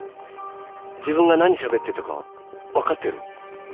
自分が何しゃべってたか分かってる？